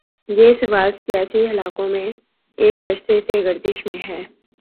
یہ سوال سیاسی حلقوں میں ایک عرصے سے گردش میں ہے۔